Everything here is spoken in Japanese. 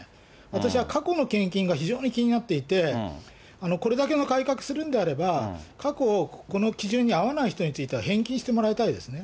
私は過去の献金が非常に気になっていて、これだけの改革するんであれば、過去、この基準に合わない人については返金してもらいたいですね。